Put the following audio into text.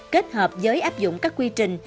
kết hợp với áp dụng các quy trình